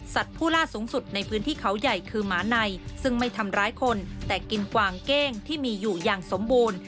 ผู้ล่าสูงสุดในพื้นที่เขาใหญ่คือหมาในซึ่งไม่ทำร้ายคนแต่กินกวางเก้งที่มีอยู่อย่างสมบูรณ์